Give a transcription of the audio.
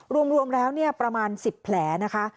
รวมแล้วเนี่ยประมาณสิบแผลนะคะ